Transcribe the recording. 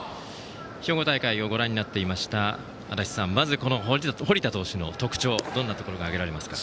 兵庫大会をご覧になっていました足達さんはまず、堀田投手の特徴どんなところが挙げられますか？